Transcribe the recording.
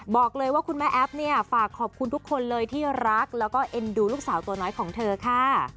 บอกเลยว่าคุณแม่แอฟเนี่ยฝากขอบคุณทุกคนเลยที่รักแล้วก็เอ็นดูลูกสาวตัวน้อยของเธอค่ะ